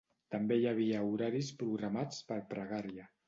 També hi havia horaris programats per pregària.